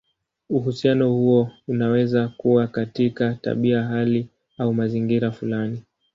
Uhusiano huo unaweza kuwa katika tabia, hali, au mazingira fulani.